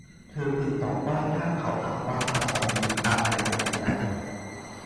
เธอพึงตอบว่ามีถ้าเขาถามว่า ผัสสะมีอะไรเป็นปัจจัย